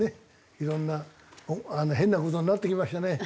いろんな変な事になってきましたね。